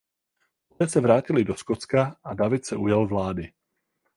Poté se vrátili do Skotska a David se ujal vlády.